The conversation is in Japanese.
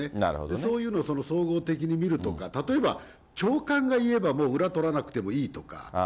そういうのを総合的に見るとか、例えば、長官が言えばもう裏取らなくてもいいとか。